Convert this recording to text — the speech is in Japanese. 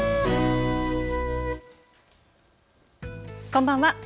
こんばんは。